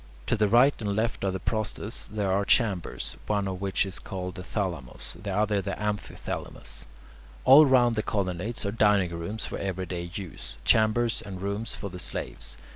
To the right and left of the prostas there are chambers, one of which is called the "thalamos," the other the "amphithalamos." All round the colonnades are dining rooms for everyday use, chambers, and rooms for the slaves.